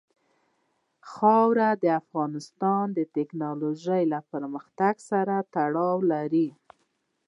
خاوره د افغانستان د تکنالوژۍ له پرمختګ سره تړاو لري.